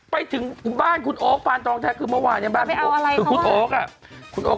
ไปถึงบ้านคุณโอ๊คปานตองแท้คือเมื่อป่านคือบ้านคือ